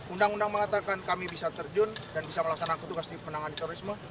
undang undang mengatakan kami bisa terjun dan bisa melaksanakan tugas di penanganan terorisme